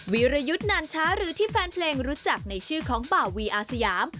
วิรยุทธ์นานช้าหรือที่แฟนเพลงรู้จักในชื่อของบ่าวีอาสยาม